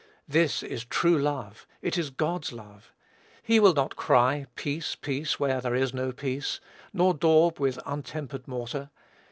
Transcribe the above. This is true love. It is God's love. He will not cry "peace, peace," when there is no peace; nor "daub with untempered mortar."